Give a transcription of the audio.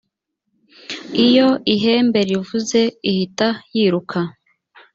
iyo ihembe rivuze ihita yiruka.